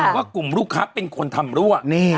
ว่ากลุ่มลูกค้าเป็นคนทำรั่ว